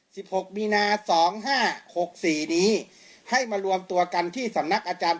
หกมีนาสองห้าหกสี่นี้ให้มารวมตัวกันที่สำนักอาจารย์